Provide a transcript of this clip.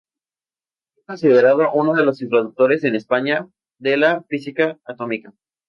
Es considerado uno de los introductores en España de la física atómica.